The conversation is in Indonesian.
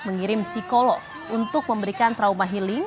mengirim psikolog untuk memberikan trauma healing